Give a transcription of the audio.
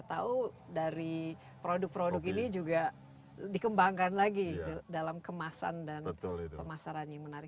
kita tahu dari produk produk ini juga dikembangkan lagi dalam kemasan dan pemasaran yang menarik